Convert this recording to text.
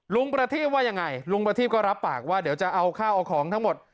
ประทีพว่ายังไงลุงประทีพก็รับปากว่าเดี๋ยวจะเอาข้าวเอาของทั้งหมด